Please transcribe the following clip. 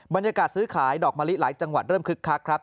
บรรยากาศซื้อขายดอกมะลิหลายจังหวัดเริ่มคึกคักครับ